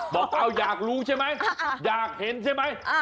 บอกเอาอยากรู้ใช่ไหมอยากเห็นใช่ไหม